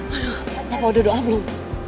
aduh bapak udah doa belum